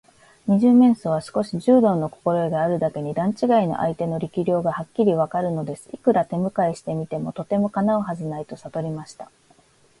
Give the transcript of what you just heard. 二十面相は少し柔道のこころえがあるだけに、段ちがいの相手の力量がはっきりわかるのです。いくら手むかいしてみても、とてもかなうはずはないとさとりました。